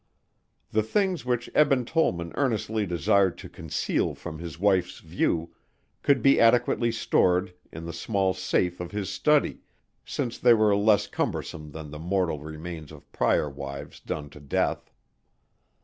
The things which Eben Tollman earnestly desired to conceal from his wife's view could be adequately stored in the small safe of his study, since they were less cumbersome than the mortal remains of prior wives done to death.